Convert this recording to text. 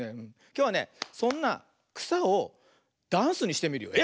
きょうはねそんなくさをダンスにしてみるよ。